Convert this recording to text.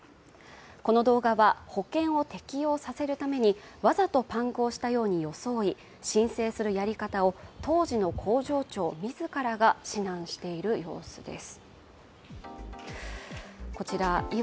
この動画は保険を適用させるために、わざとパンクをしたように装い申請するやり方を当時の工場長自らが指南している様子です。